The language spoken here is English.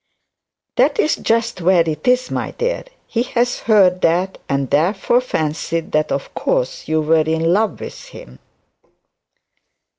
'That's just where it is, my dear. He has heard that, and therefore fancied that of course you were in love with him.'